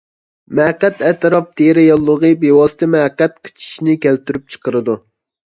مەقئەت ئەتراپ تېرە ياللۇغى بىۋاسىتە مەقئەت قىچىشىشنى كەلتۈرۈپ چىقىرىدۇ.